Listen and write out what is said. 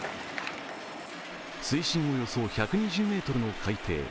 水深およそ１２０ｍの海底。